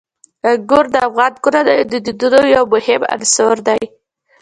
انګور د افغان کورنیو د دودونو یو مهم عنصر دی.